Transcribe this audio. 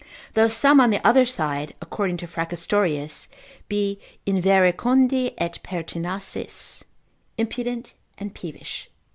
though some on the other side (according to Fracastorius) be inverecundi et pertinaces, impudent and peevish.